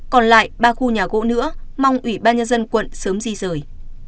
còn lại ba khu nhà gỗ nữa mong ủy ban nhân dân quận sớm di rời